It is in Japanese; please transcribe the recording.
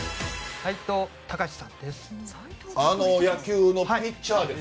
斎藤隆さんです。